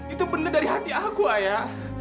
itu bener dari hati aku ayak